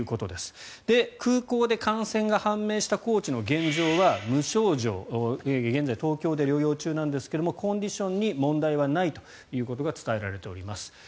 空港で感染が判明したコーチの現状は無症状現在、東京で療養中なんですがコンディションに問題はないということが伝えられております。